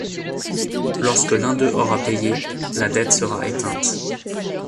Lorsque l'un d'eux aura payé, la dette sera éteinte.